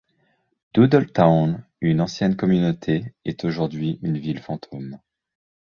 Doodletown, une ancienne communauté, est aujourd'hui une ville fantôme.